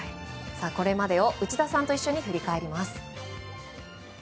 これまでを内田さんと振り返ります。